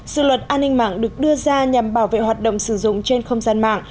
dự luật an ninh mạng được đưa ra nhằm bảo vệ hoạt động sử dụng trên không gian mạng